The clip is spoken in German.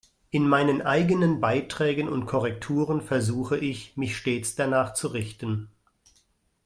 In meinen eigenen Beiträgen und Korrekturen versuche ich, mich stets danach zu richten.